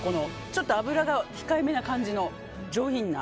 ちょっと脂が控えめな感じの上品な。